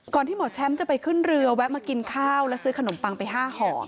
ที่หมอแชมป์จะไปขึ้นเรือแวะมากินข้าวและซื้อขนมปังไป๕ห่อ